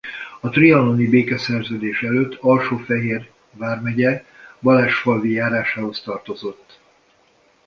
A trianoni békeszerződés előtt Alsó-Fehér vármegye Balázsfalvi járásához tartozott.